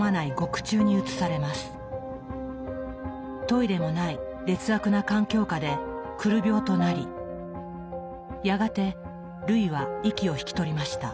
トイレもない劣悪な環境下でくる病となりやがてルイは息を引き取りました。